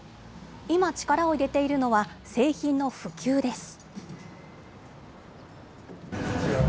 今、力を入れているのは、製品の普及です。